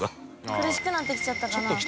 苦しくなってちゃった？